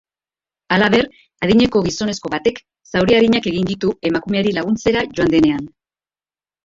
Halaber, adineko gizonezko batek zauri arinak egin ditu emakumeari laguntzera joan denean.